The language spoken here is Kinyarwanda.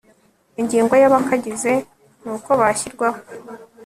ingingo ya abakagize n uko bashyirwaho